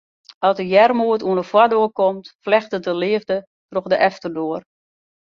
As de earmoed oan 'e foardoar komt, flechtet de leafde troch de efterdoar.